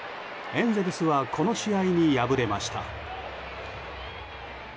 エンゼルスはこの試合に敗れました。